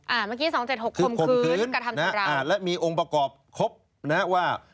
อ่าเมื่อกี้๒๗๖ขมคื้นกระทำจำลาวคือขมคื้นนะและมีองค์ประกอบครบนะว่า